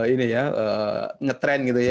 ini ya ngetrend gitu ya